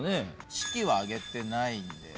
式は挙げてないんで。